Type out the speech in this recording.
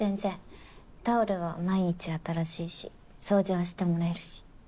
タオルは毎日新しいし掃除はしてもらえるし。